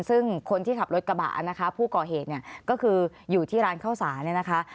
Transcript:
ซึ่งคนที่ขับรถกระบะนะคะผู้ก่อเหตุเนี่ยก็คืออยู่ที่ร้านข้าวสารเนี่ยนะคะ